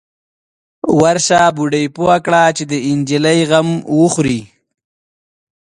_ورشه، بوډۍ پوه که چې د نجلۍ غم وخوري.